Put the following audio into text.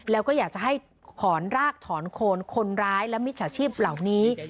แล้วก็อยากจะให้ถอนรากถอนโคนคนร้ายและมิจฉาชีพเหล่านี้